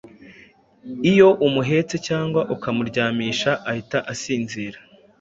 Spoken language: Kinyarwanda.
Iyo umuhetse cyangwa ukamuryamisha ahita asinzira.